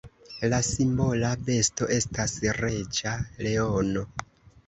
La simbola besto estas reĝa leono.